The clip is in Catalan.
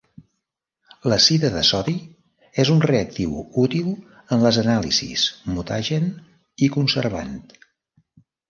L'azida de sodi és un reactiu útil en les anàlisis, mutagen, i conservant.